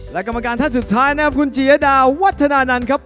และกรรมการท่านสุดท้ายนะครับคุณจิยดาวัฒนานันต์ครับ